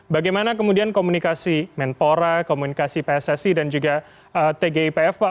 bagaimana kemudian komunikasi menpora komunikasi pssi dan juga tgipf pak